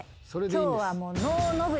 今日はもう。